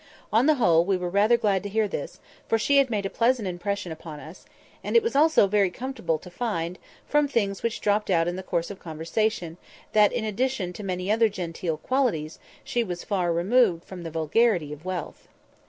On the whole, we were rather glad to hear this, for she had made a pleasant impression upon us; and it was also very comfortable to find, from things which dropped out in the course of conversation, that, in addition to many other genteel qualities, she was far removed from the "vulgarity of wealth."